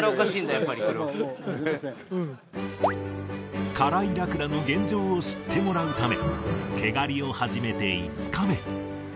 やっぱりカライラクダの現状を知ってもらうため毛刈りを始めて５日目